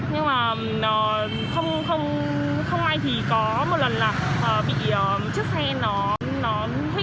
nhưng mà không may thì có một lần là bị chiếc xe nó hít vào xe tôi